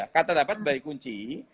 kata dapat baik kunci